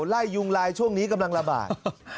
ไล่ยุงลายช่วงนี้กำลังระบาด